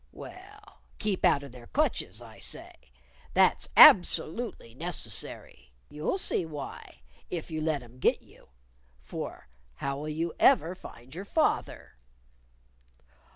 _ Well, keep out of their clutches, I say. That's absolutely necessary. You'll see why if you let 'em get you! For how'll you ever find your father?"